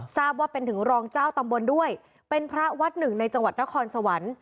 ทราบว่าเป็นถึงรองเจ้าตำบลด้วยเป็นพระวัดหนึ่งในจังหวัดนครสวรรค์